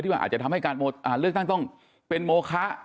มันอาจจะทำให้การเลือกตั้งต้องเป็นโมคะ